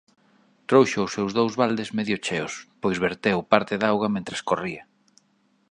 Trouxo os seus dous baldes medio cheos, pois verteu parte da auga mentres corría.